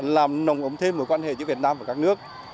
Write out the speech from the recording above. làm nồng ấm thêm mối quan hệ giữa việt nam và các nước